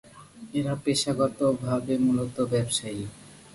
এরা পেশাগতভাবে মূলত ব্যবসায়ী।